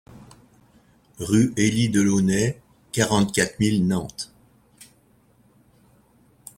Rue Élie Delaunay, quarante-quatre mille Nantes